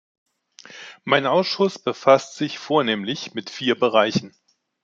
Mein Ausschuss befasste sich vornehmlich mit vier Bereichen.